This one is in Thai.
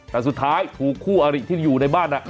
แต่สุดท้ายคู่อาริที่อยู่ในบ้านน่ะ